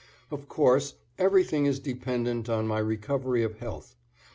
Of course, everything is dependent on my recovery of health.